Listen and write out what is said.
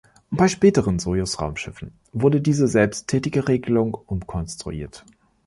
Bei späteren Sojus-Raumschiffen wurde diese selbsttätige Regelung umkonstruiert.